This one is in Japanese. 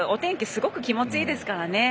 すごく気持ちいいですからね。